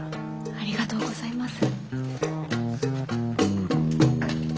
ありがとうございます。